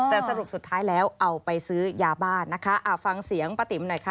แต่สรุปสุดท้ายแล้วเอาไปซื้อยาบ้านนะคะฟังเสียงป้าติ๋มหน่อยค่ะ